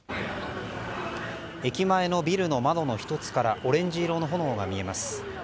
駅前のビルの窓の１つからオレンジ色の炎が見えます。